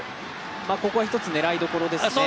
ここは一つ、狙いどころですね。